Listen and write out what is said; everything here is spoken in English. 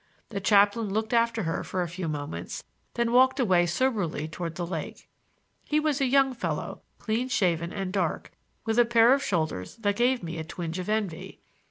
The chaplain looked after her for a few moments, then walked away soberly toward the lake. He was a young fellow, clean shaven and dark, and with a pair of shoulders that gave me a twinge of envy.